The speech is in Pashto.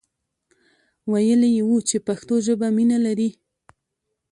ویلی وو چې په پښتو ژبه مینه لري.